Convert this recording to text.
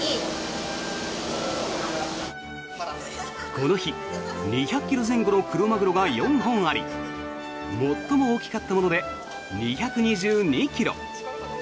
この日２００ｋｇ前後のクロマグロが４本あり最も大きかったもので２２２ｋｇ。